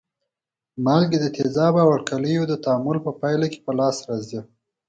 مالګې د تیزابو او القلیو د تعامل په پایله کې په لاس راځي.